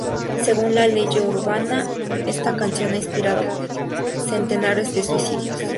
Según la leyenda urbana, esta canción ha inspirado centenares de suicidios.